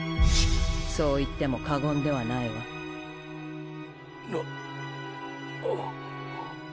そう言っても過言ではないわ。なあ。